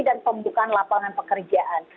dan pembukaan lapangan pekerjaan